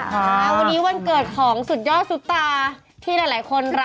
วันนี้วันเกิดของสุดยอดซุปตาที่หลายคนรัก